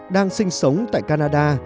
đang sinh sống tại canada